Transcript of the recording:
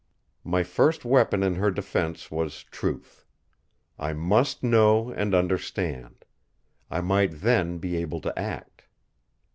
My first weapon in her defence was truth. I must know and understand; I might then be able to act.